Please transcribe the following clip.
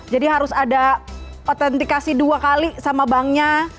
jadi harus ada otentikasi dua kali sama banknya